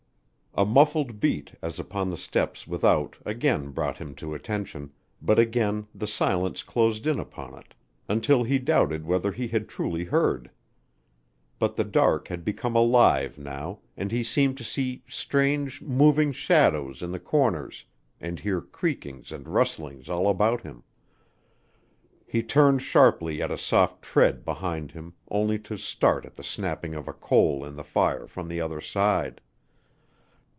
A muffled beat as upon the steps without again brought him to attention, but again the silence closed in upon it until he doubted whether he had truly heard. But the dark had become alive now, and he seemed to see strange, moving shadows in the corners and hear creakings and rustlings all about him. He turned sharply at a soft tread behind him only to start at the snapping of a coal in the fire from the other side.